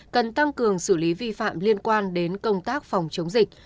cần tăng cường xử lý vi phạm liên quan đến công tác phòng chống dịch